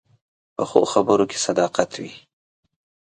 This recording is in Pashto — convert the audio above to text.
پخو خبرو کې صداقت وي